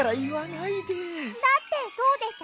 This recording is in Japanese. だってそうでしょ？